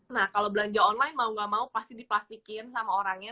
nah kalau belanja online mau gak mau pasti diplastikin sama orangnya